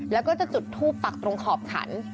แล้วก็จะจุดทูปปักตรงขอบขัน